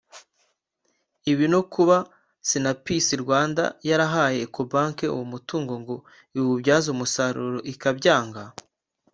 Ibi no kuba Sinapisi Rwanda yarahaye ecobank uwo mutungo ngo iwubyaze umusaruro ikabyanga